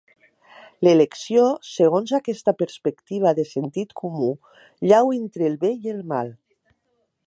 L'elecció, segons aquesta perspectiva de sentit comú, llau entre el bé i el mal.